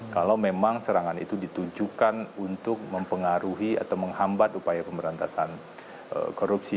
kalau memang serangan itu ditujukan untuk mempengaruhi atau menghambat upaya pemberantasan korupsi